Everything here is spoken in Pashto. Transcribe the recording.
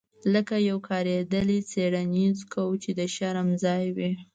لکه یو کاریدلی څیړنیز کوچ چې د شرم ځای وي